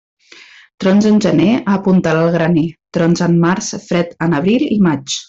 Trons en gener, a apuntalar el graner; trons en març, fred en abril i maig.